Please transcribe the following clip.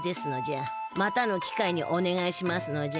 またの機会におねがいしますのじゃ。